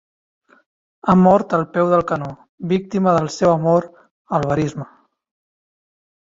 Ha mort al peu del canó, víctima del seu amor al verisme